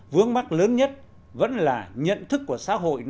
vướng mắt lớn nhất vẫn là nhận thức của xã hội